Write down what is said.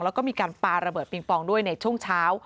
แล้วก็มีการปาระเบิดปิงปองด้วยในช่วงเช้า